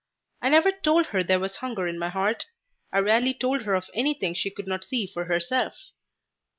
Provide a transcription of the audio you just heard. I never told her there was hunger in my heart. I rarely told her of anything she could not see for herself.